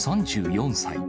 ３４歳。